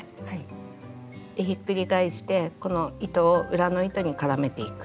でひっくり返してこの糸を裏の糸に絡めていく。